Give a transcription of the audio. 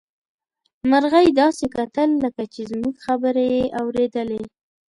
مرغۍ داسې کتل لکه چې زموږ خبرې يې اوريدلې.